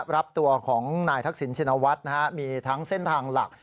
รับตัวของนายทักษิณชินวัฒน์มีทั้งเส้นทางหลัก